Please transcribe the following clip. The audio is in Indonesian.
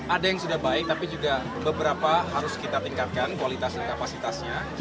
ada yang sudah baik tapi juga beberapa harus kita tingkatkan kualitas dan kapasitasnya